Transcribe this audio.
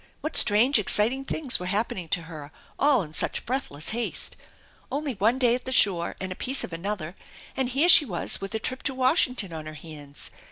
What strange exciting things were happening to her all in such breathless haste ! Only one day at the shore and a piece of another, and here she was with a trip to Washington on her hands